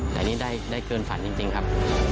แต่อันนี้ได้เกินฝันจริงครับ